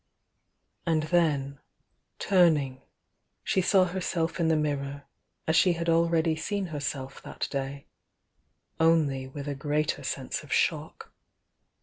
And then, turning, "he saw herself in the mirror, as she had already seen herself that day, — only with a greater sense of shock.